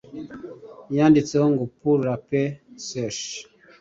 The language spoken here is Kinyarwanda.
yanditseho ngo pour les peaux seches.